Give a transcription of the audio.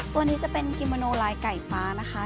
ตัวนี้จะเป็นกิโมโนลายไก่ฟ้านะคะ